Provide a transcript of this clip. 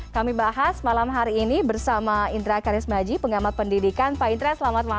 kami bahas malam hari ini bersama indra karismaji pengamat pendidikan pak indra selamat malam